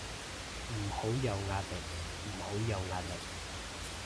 唔好有壓力，唔好有壓力